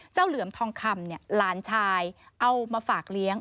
เหลือมทองคำเนี่ยหลานชายเอามาฝากเลี้ยง